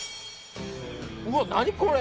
うわっ何これ？